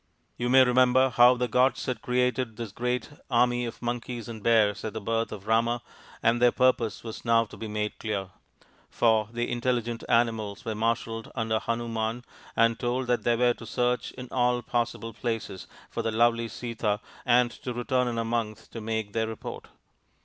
You may remember how the gods had created this great army of Monkeys and Bears at the birth of Rama, and their purpose was now to be made clear ; for the intelligent animals were marshalled under Hanuman and told that they were to search in all possible places for the lovely Sita and to return in a month to make their report.